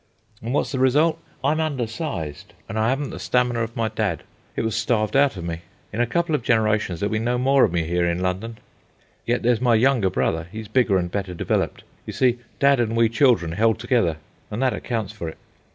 "And what's the result? I am undersized, and I haven't the stamina of my dad. It was starved out of me. In a couple of generations there'll be no more of me here in London. Yet there's my younger brother; he's bigger and better developed. You see, dad and we children held together, and that accounts for it."